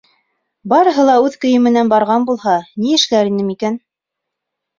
Барыһы ла үҙ көйө менән барған булһа, ни эшләр инем икән?